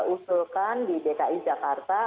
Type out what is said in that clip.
usulkan di dki jakarta